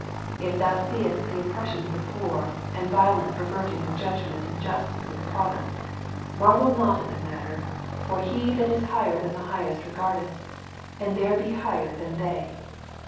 " If thou seest the oppression of the poor, and violent perverting of judgment and justice in a province, marvel not at the matter, for he that is higher than the highest regardeth : and there be higher than they."